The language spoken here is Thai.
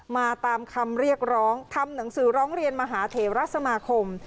มาตามคำเรียกร้องทำหนังสือร้องเรียนมหาเทราสมาคม